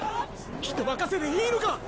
人任せでいいのか！？